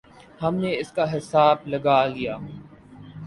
ہم نے اس کا حساب لگا لیا۔